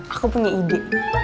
aku punya ide